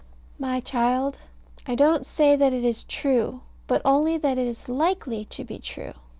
My child, I don't say that it is true: but only that it is likely to be true.